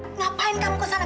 mengapakan kamu kesana